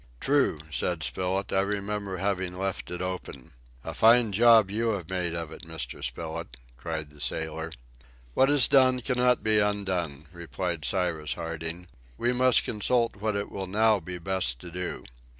"True," said Spilett, "I remember having left it open." "A fine job you have made of it, Mr. Spilett," cried the sailor. "What is done cannot be undone," replied Cyrus Harding. "We must consult what it will now be best to do."